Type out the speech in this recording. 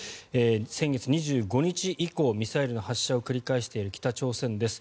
先月２５日以降ミサイルの発射を繰り返している北朝鮮です。